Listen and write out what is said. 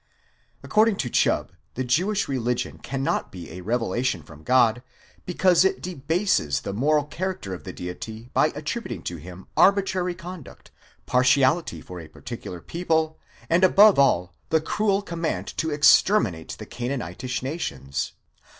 According to Chubb,* the Jewish religion cannot be a revelation from God, because it debases the moral character of the Deity by attributing to him arbitrary conduct, partiality for a particular people, and above all, the cruel command to exterminate the Canaanitish nations.